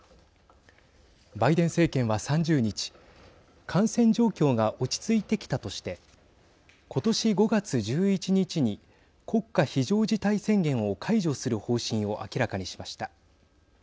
バイデン政権は３０日感染状況が落ち着いてきたとして今年５月１１日に国家非常事態宣言を解除する方針を明らかにしました。